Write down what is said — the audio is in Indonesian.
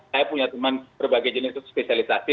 saya punya teman berbagai jenis spesialisasi